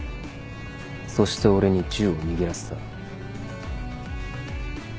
そして俺に銃を握らせた。